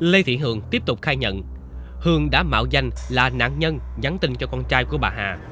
lê thị hường tiếp tục khai nhận hường đã mạo danh là nạn nhân nhắn tin cho con trai của bà hà